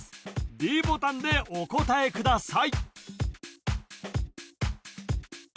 ｄボタンでお答えください